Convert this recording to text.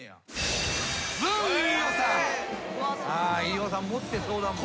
飯尾さん持ってそうだもん。